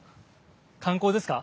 観光ですか？